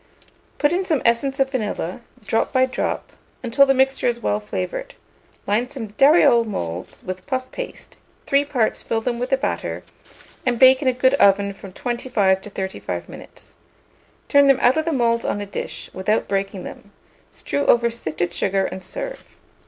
Put in some essence of vanilla, drop by drop, until the mixture is well flavoured; line some dariole moulds with puff paste, three parts fill them with the batter, and bake in a good oven from 25 to 35 minutes. Turn them out of the moulds on a dish, without breaking them; strew over sifted sugar, and serve.